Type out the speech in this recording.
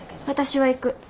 私は行く。